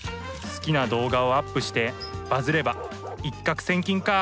好きな動画をアップしてバズれば一獲千金かあ。